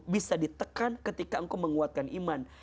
bisa ditekan ketika engkau menguatkan iman